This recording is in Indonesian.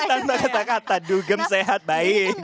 tanpa kata kata dugem sehat baik